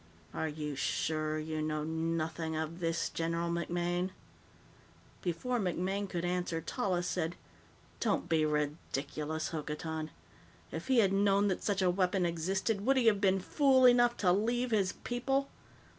Are you sure you know nothing of this, General MacMaine?" Before MacMaine could answer, Tallis said, "Don't be ridiculous, Hokotan! If he had known that such a weapon existed, would he have been fool enough to leave his people?